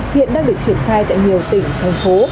hiện đang được triển khai tại nhiều tỉnh thành phố